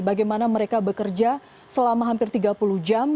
bagaimana mereka bekerja selama hampir tiga puluh jam